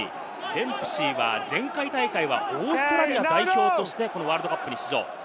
デンプシーは前回大会はオーストラリア代表としてこのワールドカップに出場。